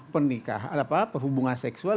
pernikahan apa perhubungan seksual